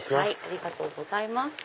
ありがとうございます。